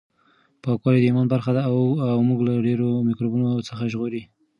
پاکوالی د ایمان برخه ده او موږ له ډېرو میکروبونو څخه ژغوري.